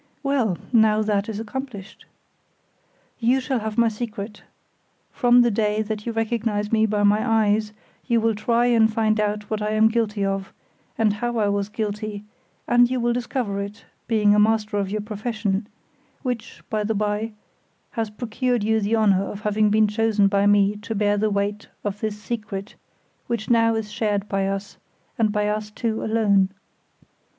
Well! Now that is accomplished. You shall have my secret; from the day that you recognize me by my eyes, you will try and find out what I am guilty of, and how I was guilty, and you will discover it, being a master of your profession, which, by the by, has procured you the honor of having been chosen by me to bear the weight of this secret, which now is shared by us, and by us two alone.